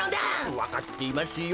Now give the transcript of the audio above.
わかっていますよ。